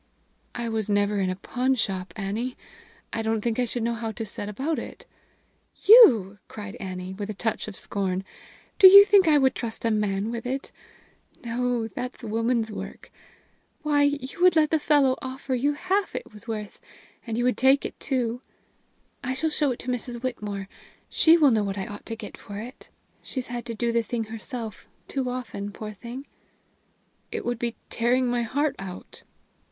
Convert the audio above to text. "I was never in a pawnshop, Annie. I don't think I should know how to set about it." "You!" cried Annie, with a touch of scorn. "Do you think I would trust a man with it? No; that's a woman's work. Why, you would let the fellow offer you half it was worth and you would take it too. I shall show it to Mrs. Whitmore: she will know what I ought to get for it. She's had to do the thing herself too often, poor thing!" "It would be like tearing my heart out."